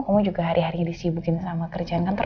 kamu juga hari hari disibukin sama kerjaan kantor